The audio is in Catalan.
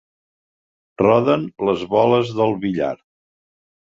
Roden les boles del billar.